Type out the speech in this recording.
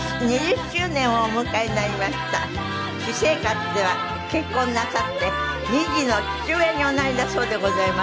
私生活では結婚なさって２児の父親におなりだそうでございます。